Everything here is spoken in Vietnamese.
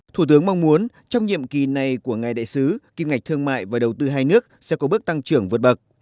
thủ tướng mong muốn trong nhiệm kỳ này của ngài đại sứ kim ngạch thương mại và đầu tư hai nước sẽ có bước tăng trưởng vượt bậc